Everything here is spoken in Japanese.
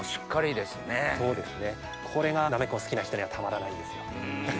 これがなめこ好きな人にはたまらないんですよ。